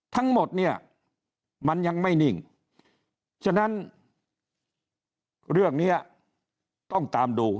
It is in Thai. ทั้งหมดเนี่ยมันยังไม่นิ่งฉะนั้นเรื่องนี้ต้องตามดู